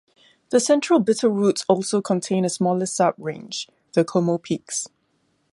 The Central Bitterroots also contain a smaller subrange, the Como Peaks.